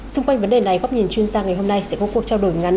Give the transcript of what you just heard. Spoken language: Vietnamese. xung quanh vấn đề này góc nhìn chuyên gia ngày hôm nay sẽ có cuộc trao đổi ngắn